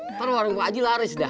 nanti warung pak haji laris dah